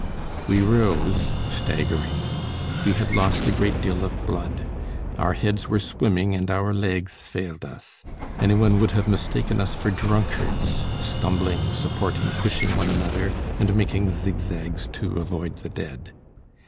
We rose staggering. We had lost a great deal of blood; our heads were swimming and our legs failed us. Any one would have mistaken us for drunkards, stumbling, supporting, pushing one another, and making zigzags to avoid the dead.